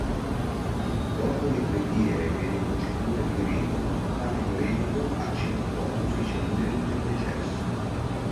Dopo le preghiere e le procedure di rito, il camerlengo accertò ufficialmente il decesso.